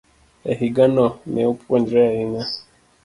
e higano, ne opuonjore ahinya.